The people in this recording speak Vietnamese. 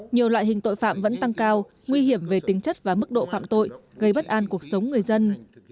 nhiều loại hình tội phạm vẫn tăng cao nguy hiểm về tính chất và mức độ phạm tội gây bất an cuộc sống người dân